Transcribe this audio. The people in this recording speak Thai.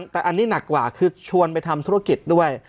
แต่อันนี้หนักกว่าคือชวนไปทำธุรกิจด้วย